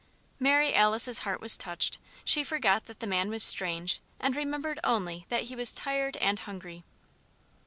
Mary Alice's heart was touched; she forgot that the man was strange, and remembered only that he was tired and hungry.